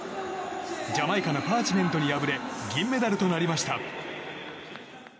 ジャマイカのパーチメントに敗れ銀メダルとなりました。